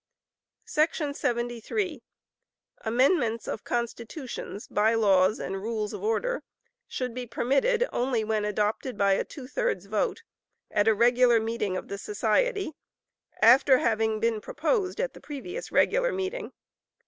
73. Amendments of Constitutions, By Laws and Rules of Order, should be permitted only when adopted by a two thirds vote, at a regular meeting of the society, after having been proposed at the previous regular meeting.